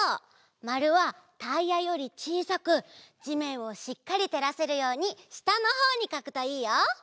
まるはタイヤよりちいさくじめんをしっかりてらせるようにしたのほうにかくといいよ。